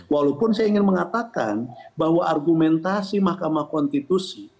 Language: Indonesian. walaupun saya ingin mengatakan bahwa argumentasi mahkamah konstitusi